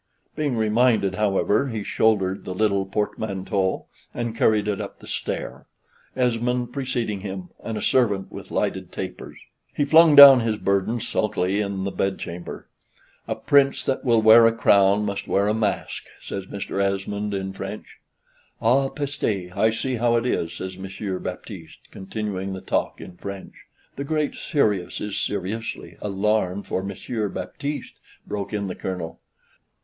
Being reminded, however, he shouldered the little portmanteau, and carried it up the stair, Esmond preceding him, and a servant with lighted tapers. He flung down his burden sulkily in the bedchamber: "A Prince that will wear a crown must wear a mask," says Mr. Esmond in French. "Ah peste! I see how it is," says Monsieur Baptiste, continuing the talk in French. "The Great Serious is seriously" "alarmed for Monsieur Baptiste," broke in the Colonel.